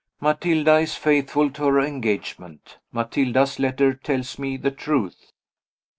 Matilda is faithful to her engagement; Matilda's letter tells me the truth.